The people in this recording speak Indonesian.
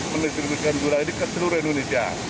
mendistribusikan gula ini ke seluruh indonesia